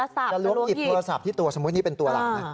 จะล้วงหยิบโทรศัพท์ที่ตัวสมมุตินี่เป็นตัวหลักนะ